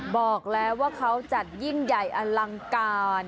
บอกแล้วว่าเขาจัดยิ่งใหญ่อลังการ